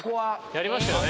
やりましたよね。